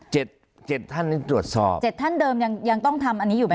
เจ็ดเจ็ดท่านนี้ตรวจสอบเจ็ดท่านเดิมยังยังต้องทำอันนี้อยู่ไหม